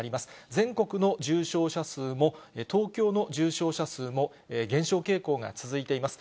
全国の重症者数も、東京の重症者数も減少傾向が続いています。